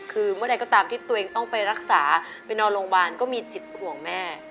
คือเมื่อใดก็ตามที่ตัวเองต้องไปรักษาไปนอนโรงพยาบาลก็มีจิตห่วงแม่